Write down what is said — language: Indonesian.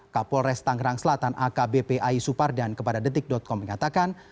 kapolres tangerang selatan akbp ai supardan kepada detik com mengatakan